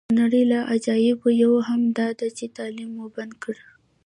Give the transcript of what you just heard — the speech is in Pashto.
د نړۍ له عجایبو یوه هم داده چې تعلیم مو بند کړی.